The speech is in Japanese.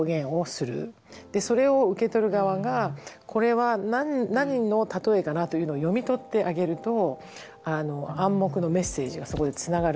それを受け取る側がこれは何の例えかなというのを読み取ってあげると暗黙のメッセージがそこでつながるんですよね。